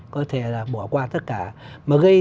có thể là bỏ qua tất cả mà gây